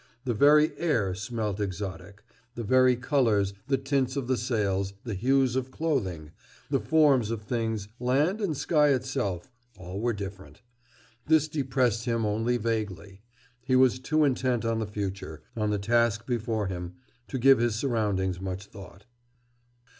The very air smelt exotic; the very colors, the tints of the sails, the hues of clothing, the forms of things, land and sky itself—all were different. This depressed him only vaguely. He was too intent on the future, on the task before him, to give his surroundings much thought.